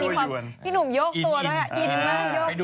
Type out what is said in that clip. แล้วพี่หนุ่มทำไมต้องเต้นไปด้วย